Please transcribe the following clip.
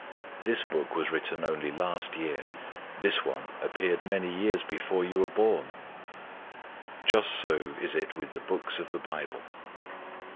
This book was written only last year, this one appeared many years before you were born. Just so is it with the books of the Bible.